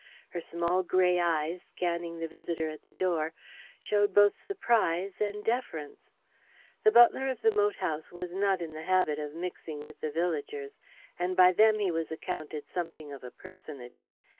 Her small grey eyes, scanning the visitor at the door, showed both surprise and deference. The butler of the moat house was not in the habit of mixing with the villagers, and by them he was accounted something of a personage.